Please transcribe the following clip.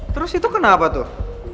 terus itu kenapa tuh